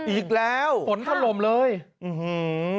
อีกแล้วฝนถล่มเลยอื้อหือ